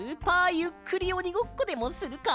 ゆっくりおにごっこでもするか？